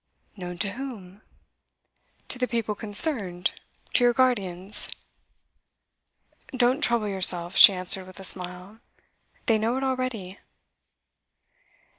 'Known to whom?' 'To the people concerned to your guardians.' 'Don't trouble yourself,' she answered, with a smile. 'They know it already.